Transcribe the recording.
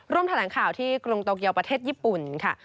แถลงข่าวที่กรุงโตเกียวประเทศญี่ปุ่นค่ะ